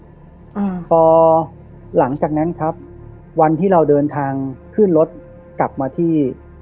อ่าพอหลังจากนั้นครับวันที่เราเดินทางขึ้นรถกลับมาที่